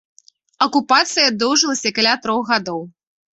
Акупацыя доўжылася каля трох гадоў.